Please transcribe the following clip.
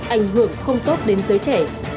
ảnh hưởng không tốt đến giới trẻ